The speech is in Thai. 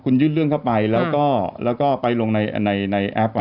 คุณยื่นเรื่องเข้าไปแล้วก็ไปลงในแอป